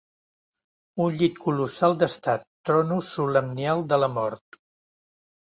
Un llit colossal d'estat, trono solemnial de la mort